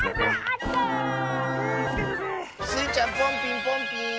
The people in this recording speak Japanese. スイちゃんポンピンポンピーン！